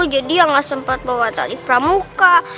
jadi ya gak sempat bawa tali pramuka